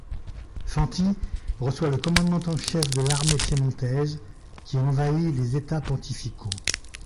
Fanti reçoit le commandement en chef de l'armée piémontaise qui envahit les états pontificaux.